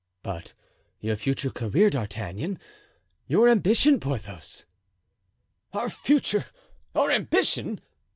"But your future career, D'Artagnan—your ambition, Porthos?" "Our future, our ambition!"